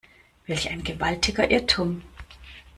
Welch ein gewaltiger Irrtum!